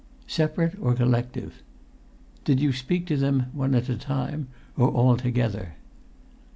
"Separate or collective? Did you speak to them one at a time or all together?"